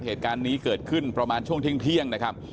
เหตุการณ์นี้เกิดขึ้นประมาณช่วงเที่ยงนะครับ